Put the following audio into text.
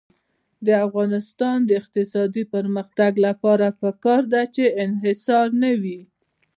د افغانستان د اقتصادي پرمختګ لپاره پکار ده چې انحصار نه وي.